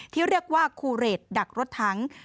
ที่เรียกว่าคูเรทดักรถทั้ง